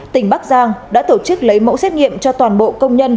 tỉnh bắc giang đã tổ chức lấy mẫu xét nghiệm cho toàn bộ công nhân